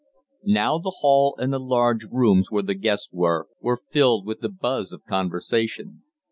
Now the hall and the large rooms where the guests were, were filled with the buzz of conversation.